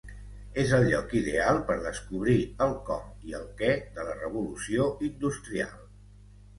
És el lloc ideal per descobrir el com i el què de la Revolució Industrial.